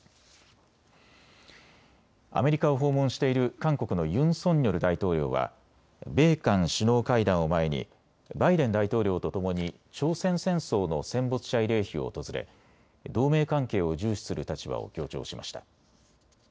アメリカを訪問している韓国のユン・ソンニョル大統領は米韓首脳会談を前にバイデン大統領と共に朝鮮戦争の戦没者慰霊碑を訪れ、同盟関係を重視する立場を強調しました。